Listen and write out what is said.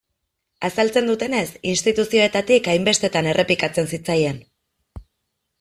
Azaltzen dutenez, instituzioetatik hainbestetan errepikatzen zitzaien.